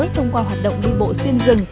thông qua hoạt động đi bộ xuyên rừng